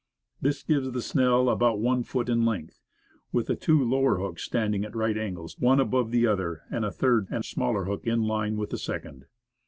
This gives a snell about one foot in length, with the two lower hooks standing at right angles, one above the other, and a third and smaller hook in line with the second.